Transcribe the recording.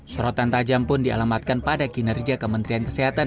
sorotan tajam pun dialamatkan pada kinerja kementerian kesehatan